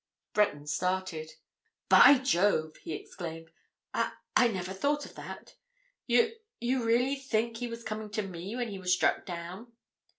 Breton started. "By Jove!" he exclaimed. "I—I never thought of that. You—you really think he was coming to me when he was struck down?"